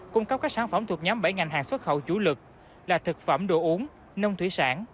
cung cấp các sản phẩm thuộc nhóm bảy ngành hàng xuất khẩu chủ lực là thực phẩm đồ uống nông thủy sản